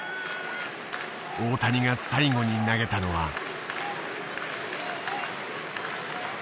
大谷が最後に投げたのは。